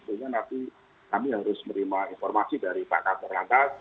sehingga nanti kami harus menerima informasi dari pak kakor lantas